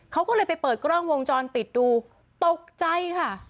เขาก็เลยไปเปิดกล้องวงจรปิดดูตกใจค่ะ